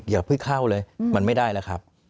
อย่าเพิ่งเข้าเลยมันไม่ได้แล้วครับ